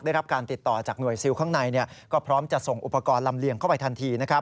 ได้รับการติดต่อจากหน่วยซิลข้างในก็พร้อมจะส่งอุปกรณ์ลำเลียงเข้าไปทันที